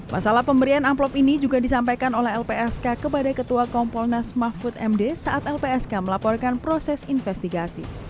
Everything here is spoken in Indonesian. masalah pemberian amplop ini juga disampaikan oleh lpsk kepada ketua kompolnas mahfud md saat lpsk melaporkan proses investigasi